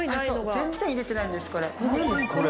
全然入れてないんですこれ。